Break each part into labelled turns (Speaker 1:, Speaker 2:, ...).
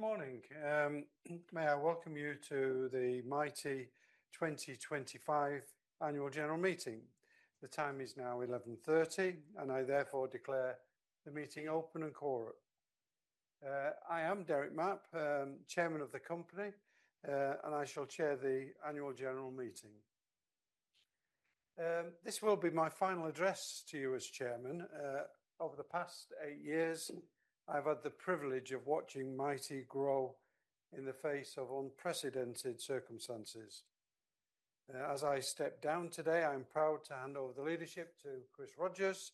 Speaker 1: Good morning. May I welcome you to the Mitie 2025 Annual General Meeting? The time is now 11:30 A.M., and I therefore declare the meeting open and quorate. I am Derek Mapp, Chairman of the Company, and I shall chair the Annual General Meeting. This will be my final address to you as Chairman. Over the past eight years, I've had the privilege of watching Mitie grow in the face of unprecedented circumstances. As I step down today, I'm proud to hand over the leadership to Chris Rogers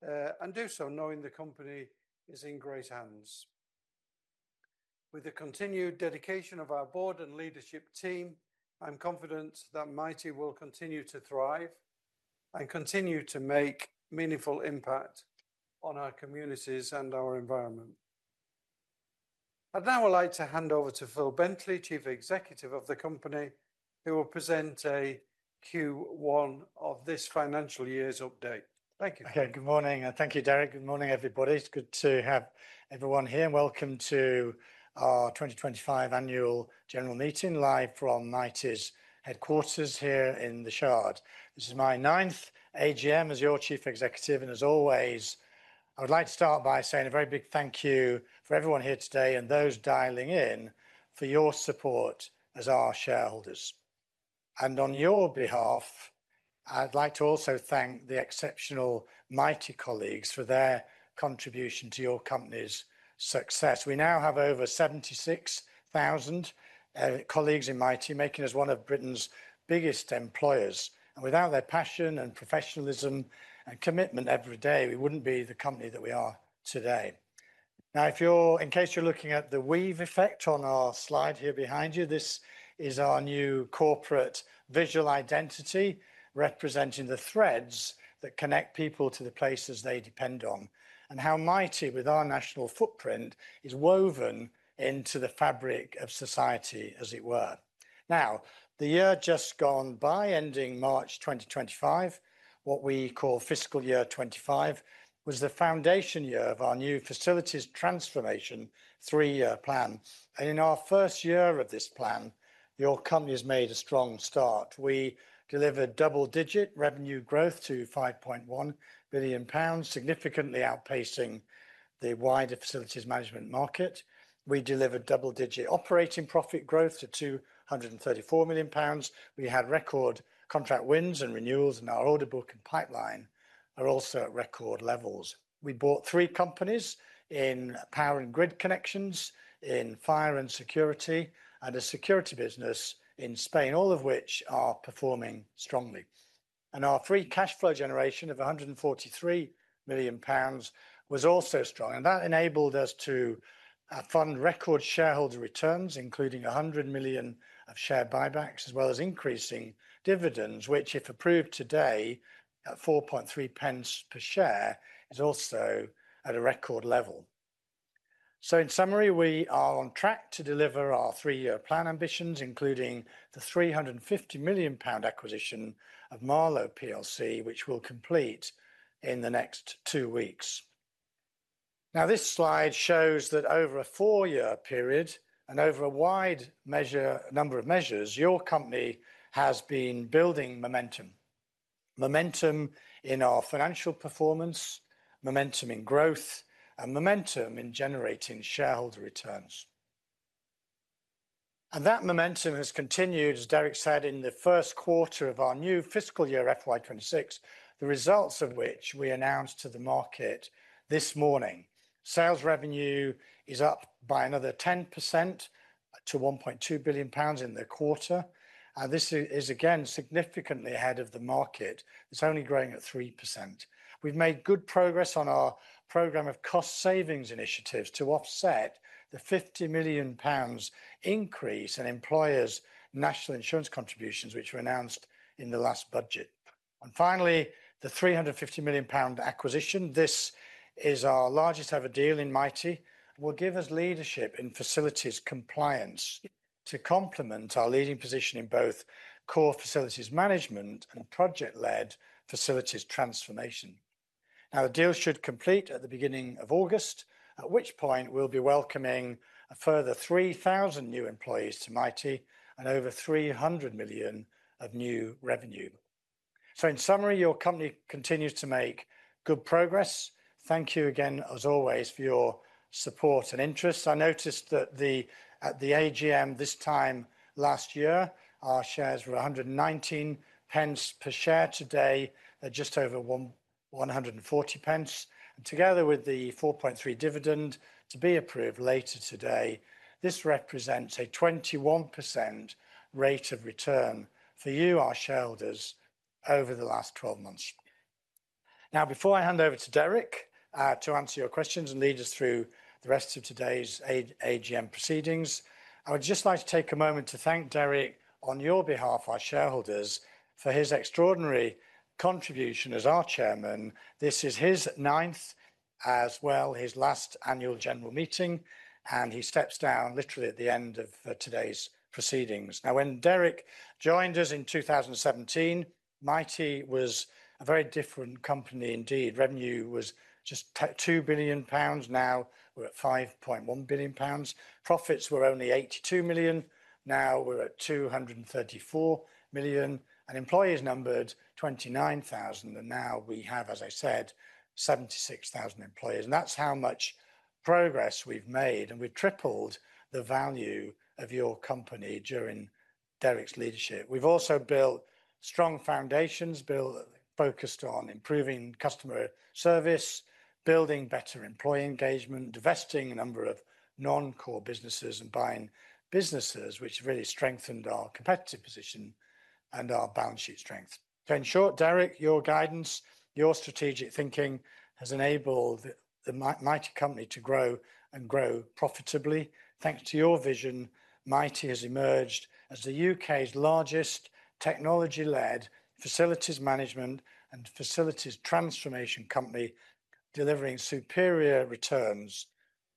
Speaker 1: and do so knowing the company is in great hands. With the continued dedication of our board and leadership team, I'm confident that Mitie will continue to thrive and continue to make a meaningful impact on our communities and our environment. I'd now like to hand over to Phil Bentley, Chief Executive of the Company, who will present a Q1 of this financial year's update. Thank you.
Speaker 2: Okay, good morning. Thank you, Derek. Good morning, everybody. It's good to have everyone here. Welcome to our 2025 Annual General Meeting, live from Mitie's headquarters here in The Shard. This is my ninth AGM as your Chief Executive. And as always, I would like to start by saying a very big thank you for everyone here today and those dialing in for your support as our shareholders. And on your behalf, I'd like to also thank the exceptional Mitie colleagues for their contribution to your company's success. We now have over 76,000 colleagues in Mitie making us one of Britain's biggest employers. And without their passion and professionalism and commitment every day, we wouldn't be the company that we are today. Now, in case you're looking at the weave effect on our slide here behind you, this is our new corporate visual identity representing the threads that connect people to the places they depend on and how Mitie, with our national footprint, is woven into the fabric of society, as it were. Now, the year just gone by, ending March 2025, what we call Fiscal Year 25, was the foundation year of our new facilities transformation three-year plan. And in our first year of this plan, your company has made a strong start. We delivered double-digit revenue growth to 5.1 billion pounds, significantly outpacing the wider facilities management market. We delivered double-digit operating profit growth to 234 million pounds. We had record contract wins and renewals, and our order book and pipeline are also at record levels. We bought three companies in power and grid connections, in fire and security, and a security business in Spain, all of which are performing strongly. And our free cash flow generation of 143 million pounds was also strong. And that enabled us to fund record shareholder returns, including 100 million of share buybacks, as well as increasing dividends, which, if approved today at 4.3 pence per share, is also at a record level. So, in summary, we are on track to deliver our three-year plan ambitions, including the 350 million pound acquisition of Marlowe PLC, which we'll complete in the next two weeks. Now, this slide shows that over a four-year period and over a wide number of measures, your company has been building momentum: momentum in our financial performance, momentum in growth, and momentum in generating shareholder returns. And that momentum has continued, as Derek said, in the first quarter of our new fiscal year, FY26, the results of which we announced to the market this morning. Sales revenue is up by another 10% to 1.2 billion pounds in the quarter. And this is, again, significantly ahead of the market. It's only growing at 3%. We've made good progress on our program of cost savings initiatives to offset the 50 million pounds increase in employers' National Insurance contributions, which were announced in the last budget. And finally, the 350 million pound acquisition. This is our largest-ever deal in Mitie and will give us leadership in facilities compliance to complement our leading position in both core facilities management and project-led facilities transformation. Now, the deal should complete at the beginning of August, at which point we'll be welcoming a further 3,000 new employees to Mitie and over 300 million of new revenue. In summary, your company continues to make good progress. Thank you again, as always, for your support and interest. I noticed that at the AGM this time last year, our shares were 119 pence per share. Today, they're just over 140 pence. Together with the 4.3 dividend to be approved later today, this represents a 21% rate of return for you, our shareholders, over the last 12 months. Now, before I hand over to Derek to answer your questions and lead us through the rest of today's AGM proceedings, I would just like to take a moment to thank Derek, on your behalf, our shareholders, for his extraordinary contribution as our Chairman. This is his ninth, as well as his last Annual General Meeting, and he steps down literally at the end of today's proceedings. Now, when Derek joined us in 2017, Mitie was a very different company indeed. Revenue was just 2 billion pounds. Now we're at 5.1 billion pounds. Profits were only 82 million. Now we're at 234 million. And employees numbered 29,000. And now we have, as I said, 76,000 employees. And that's how much progress we've made. And we've tripled the value of your company during Derek's leadership. We've also built strong foundations, focused on improving customer service, building better employee engagement, divesting a number of non-core businesses and buying businesses, which really strengthened our competitive position and our balance sheet strength. So, in short, Derek, your guidance, your strategic thinking has enabled the Mitie company to grow and grow profitably. Thanks to your vision, Mitie has emerged as the U.K.'s largest technology-led facilities management and facilities transformation company, delivering superior returns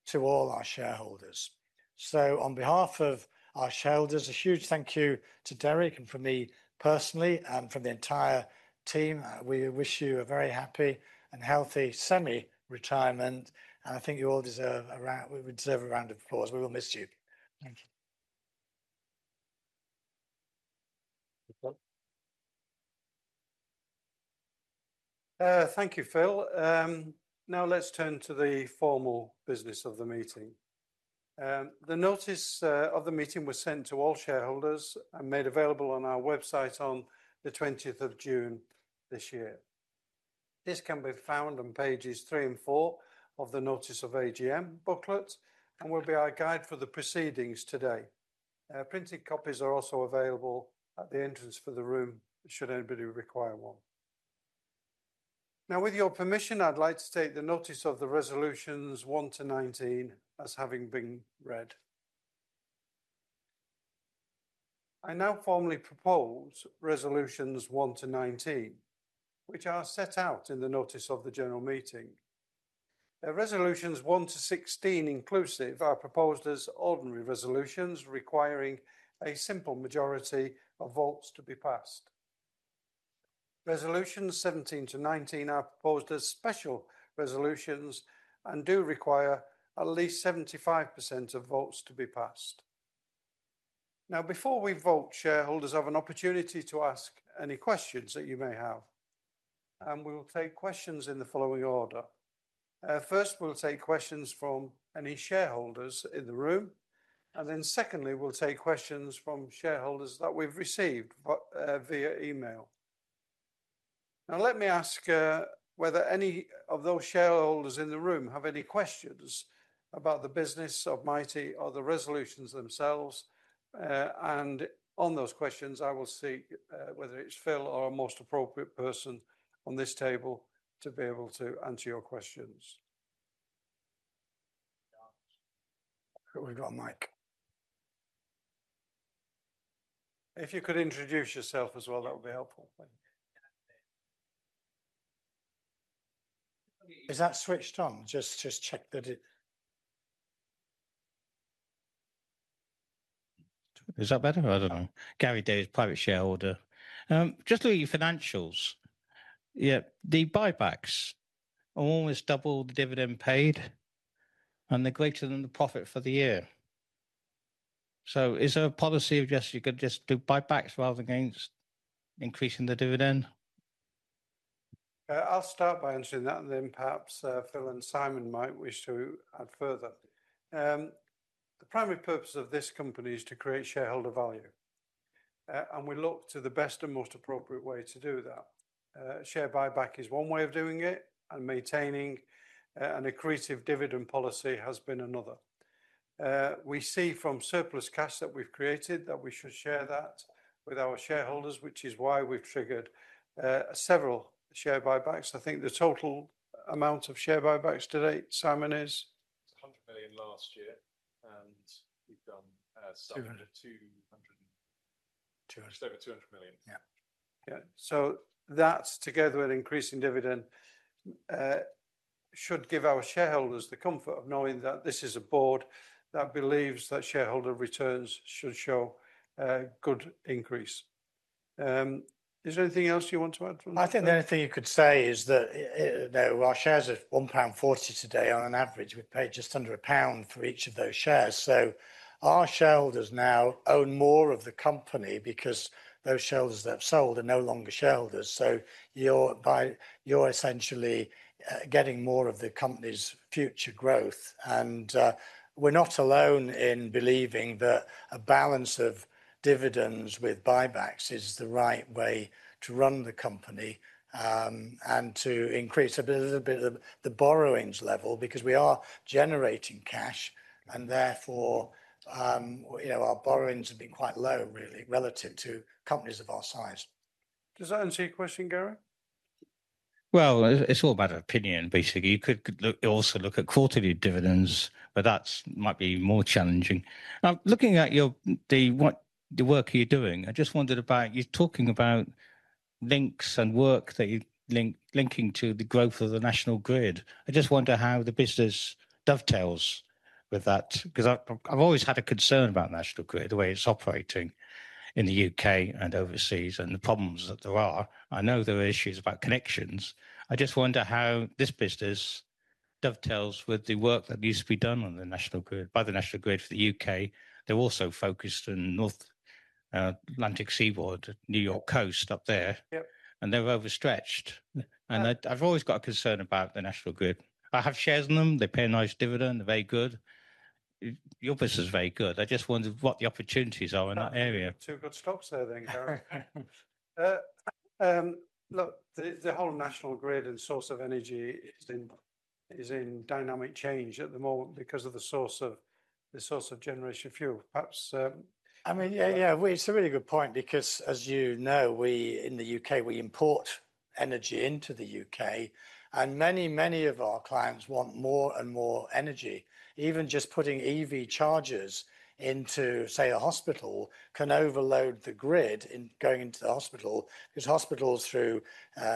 Speaker 2: to all our shareholders. So, on behalf of our shareholders, a huge thank you to Derek and for me personally and for the entire team. We wish you a very happy and healthy semi-retirement, and I think you all deserve a round of applause. We will miss you. Thank you.
Speaker 1: Thank you, Phil. Now, let's turn to the formal business of the meeting. The notice of the meeting was sent to all shareholders and made available on our website on the 20th of June this year. This can be found on pages three and four of the Notice of AGM booklet and will be our guide for the proceedings today. Printed copies are also available at the entrance to the room should anybody require one. Now, with your permission, I'd like to take the Notice of the Resolutions 1 to 19 as having been read. I now formally propose Resolutions 1 to 19, which are set out in the Notice of the General Meeting. Resolutions 1 to 16 inclusive are proposed as ordinary resolutions requiring a simple majority of votes to be passed. Resolutions 17 to 19 are proposed as special resolutions and do require at least 75% of votes to be passed. Now, before we vote, shareholders have an opportunity to ask any questions that you may have, and we will take questions in the following order. First, we'll take questions from any shareholders in the room, and then secondly, we'll take questions from shareholders that we've received via email. Now, let me ask whether any of those shareholders in the room have any questions about the business of Mitie or the resolutions themselves, and on those questions, I will see whether it's Phil or a most appropriate person on this table to be able to answer your questions. We've got a mic.
Speaker 2: If you could introduce yourself as well, that would be helpful. Is that switched on? Just check that it.
Speaker 3: Is that better? I don't know. Gary Davis, private shareholder. Just look at your financials. Yeah, the buybacks are almost double the dividend paid, and they're greater than the profit for the year. So, is there a policy of just you could just do buybacks rather than against increasing the dividend?
Speaker 1: I'll start by answering that, and then perhaps Phil and Simon might wish to add further. The primary purpose of this company is to create shareholder value. We look to the best and most appropriate way to do that. Share buyback is one way of doing it, and maintaining an accretive dividend policy has been another. We see from surplus cash that we've created that we should share that with our shareholders, which is why we've triggered several share buybacks. I think the total amount of share buybacks today, Simon, is?
Speaker 4: It's 100 million last year, and we've done 200 million.
Speaker 1: Just over 200 million.
Speaker 3: Yeah.
Speaker 1: Yeah. So that, together with increasing dividend, should give our shareholders the comfort of knowing that this is a board that believes that shareholder returns should show a good increase. Is there anything else you want to add?
Speaker 2: I think the only thing you could say is that, you know, our shares are 1.40 pound today on an average. We've paid just under GBP 1 for each of those shares, so our shareholders now own more of the company because those shareholders that have sold are no longer shareholders, so you're essentially getting more of the company's future growth, and we're not alone in believing that a balance of dividends with buybacks is the right way to run the company and to increase a little bit of the borrowings level because we are generating cash, and therefore, you know, our borrowings have been quite low, really, relative to companies of our size.
Speaker 1: Does that answer your question, Gary?
Speaker 3: It's all about opinion, basically. You could also look at quarterly dividends, but that might be more challenging. Looking at the work you're doing, I just wondered about you talking about links and work that you're linking to the growth of the National Grid. I just wonder how the business dovetails with that because I've always had a concern about the National Grid, the way it's operating in the U.K. and overseas and the problems that there are. I know there are issues about connections. I just wonder how this business dovetails with the work that needs to be done on the National Grid by the National Grid for the U.K.. They're also focused on the North Atlantic Seaboard, New York Coast up there. They're overstretched. I've always got a concern about the National Grid. I have shares in them. They pay a nice dividend. They're very good. Your business is very good. I just wondered what the opportunities are in that area.
Speaker 1: Two good stops there, then, Gary. Look, the whole National Grid and source of energy is in dynamic change at the moment because of the source of the source of generation fuel. Perhaps.
Speaker 2: I mean, yeah, yeah, it's a really good point because, as you know, in the U.K., we import energy into the U.K. And many, many of our clients want more and more energy. Even just putting EV chargers into, say, a hospital can overload the grid in going into the hospital because hospitals, through,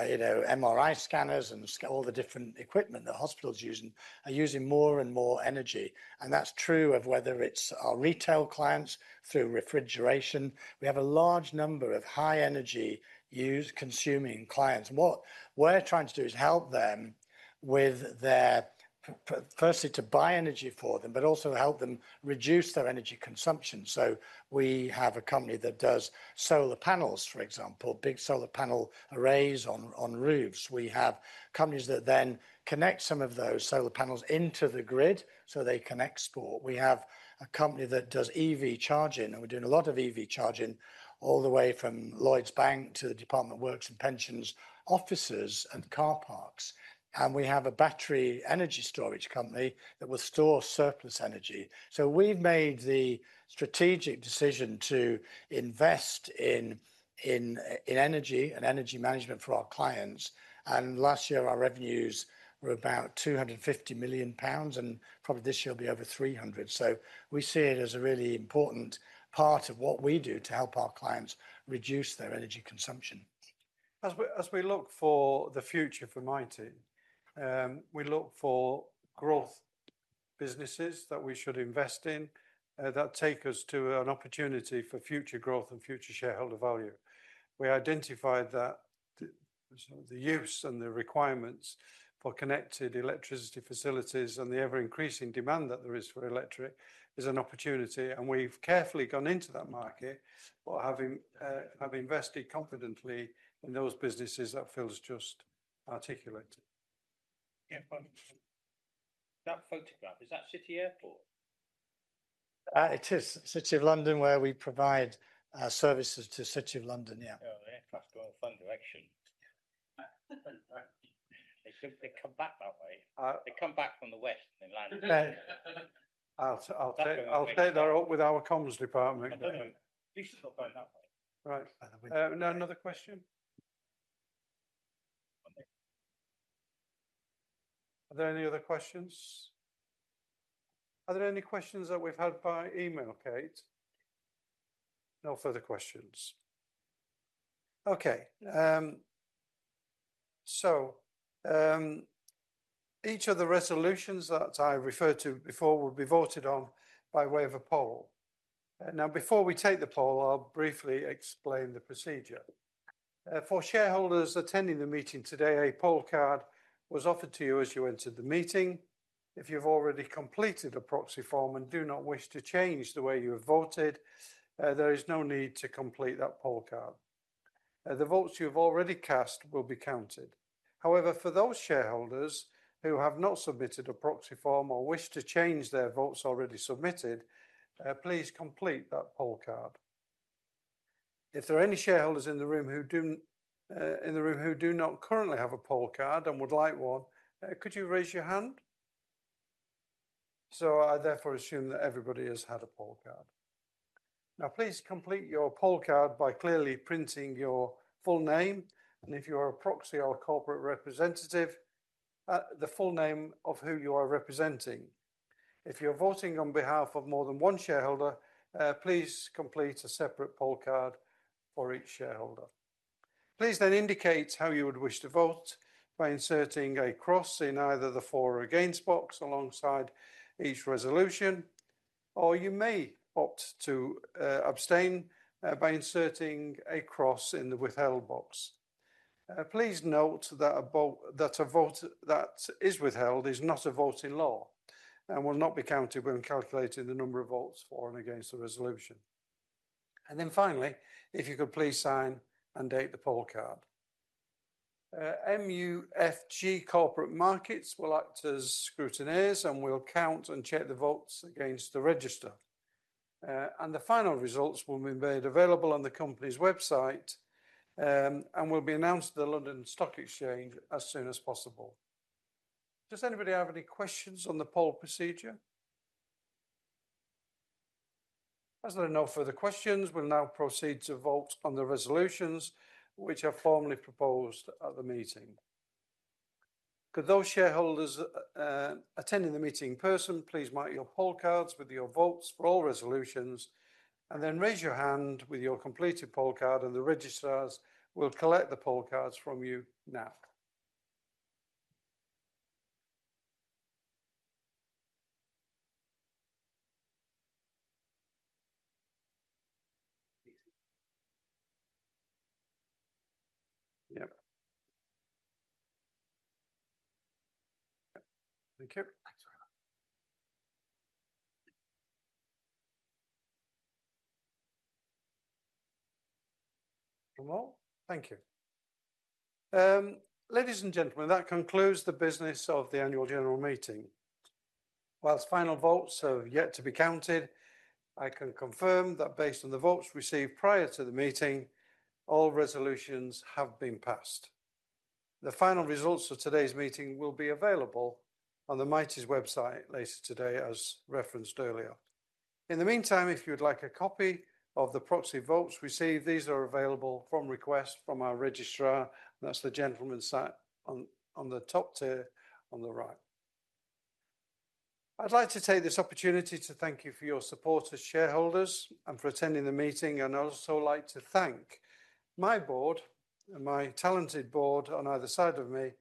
Speaker 2: you know, MRI scanners and all the different equipment that hospitals use, are using more and more energy. And that's true of whether it's our retail clients through refrigeration. We have a large number of high-energy consuming clients. What we're trying to do is help them with their, firstly, to buy energy for them, but also help them reduce their energy consumption. So we have a company that does solar panels, for example, big solar panel arrays on roofs. We have companies that then connect some of those solar panels into the grid so they can export. We have a company that does EV charging, and we're doing a lot of EV charging all the way from Lloyds Bank to the Department for Work and Pensions offices and car parks. And we have a battery energy storage company that will store surplus energy. So we've made the strategic decision to invest in energy and energy management for our clients. And last year, our revenues were about 250 million pounds and probably this year will be over 300 million. So we see it as a really important part of what we do to help our clients reduce their energy consumption.
Speaker 1: As we look for the future for Mitie, we look for growth businesses that we should invest in that take us to an opportunity for future growth and future shareholder value. We identified that the use and the requirements for connected electricity facilities and the ever-increasing demand that there is for electric is an opportunity, and we've carefully gone into that market, but have invested confidently in those businesses that Phil has just articulated. That photograph, is that City Airport?
Speaker 2: It is City of London, where we provide services to City of London, yeah. Oh, the aircraft going in the fun direction. They come back that way. They come back from the west in London.
Speaker 1: I'll take that up with our comms department. Right. Now, another question? Are there any other questions? Are there any questions that we've had by email, Kate? No further questions. Okay. So each of the resolutions that I referred to before will be voted on by way of a poll. Now, before we take the poll, I'll briefly explain the procedure. For shareholders attending the meeting today, a poll card was offered to you as you entered the meeting. If you've already completed a proxy form and do not wish to change the way you have voted, there is no need to complete that poll card. The votes you have already cast will be counted. However, for those shareholders who have not submitted a proxy form or wish to change their votes already submitted, please complete that poll card. If there are any shareholders in the room who do not currently have a poll card and would like one, could you raise your hand? So I therefore assume that everybody has had a poll card. Now, please complete your poll card by clearly printing your full name and, if you are a proxy or a corporate representative, the full name of who you are representing. If you're voting on behalf of more than one shareholder, please complete a separate poll card for each shareholder. Please then indicate how you would wish to vote by inserting a cross in either the for or against box alongside each resolution. Or you may opt to abstain by inserting a cross in the withheld box. Please note that a vote that is withheld is not a vote in law and will not be counted when calculating the number of votes for and against the resolution, and then finally, if you could please sign and date the poll card. MUFG Corporate Markets will act as scrutineers and will count and check the votes against the register, and the final results will be made available on the company's website and will be announced at the London Stock Exchange as soon as possible. Does anybody have any questions on the poll procedure? As there are no further questions, we'll now proceed to vote on the resolutions which are formally proposed at the meeting. Could those shareholders attending the meeting in person please mark your poll cards with your votes for all resolutions and then raise your hand with your completed poll card and the registrars will collect the poll cards from you now. Yep. Thank you. Thank you. Ladies and gentlemen, that concludes the business of the Annual General Meeting. While final votes have yet to be counted, I can confirm that based on the votes received prior to the meeting, all resolutions have been passed. The final results of today's meeting will be available on the Mitie's website later today, as referenced earlier. In the meantime, if you would like a copy of the proxy votes received, these are available upon request from our registrar. That's the gentleman sat on the top tier on the right. I'd like to take this opportunity to thank you for your support as shareholders and for attending the meeting. I'd also like to thank my board and my talented board on either side of me,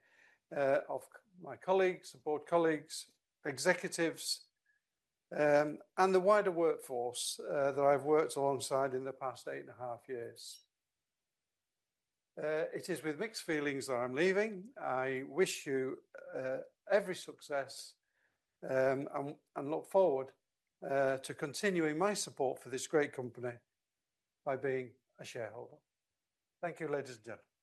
Speaker 1: of my colleagues, board colleagues, executives, and the wider workforce that I've worked alongside in the past eight and a half years. It is with mixed feelings that I'm leaving. I wish you every success and look forward to continuing my support for this great company by being a shareholder. Thank you, ladies and gentlemen. Thank you.